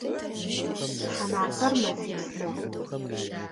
Тхьамафэр мэфитф мэхъу.